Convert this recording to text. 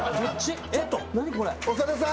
長田さん！